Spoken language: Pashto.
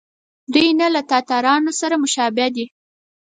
دوی نه له تاتارانو سره مشابه دي.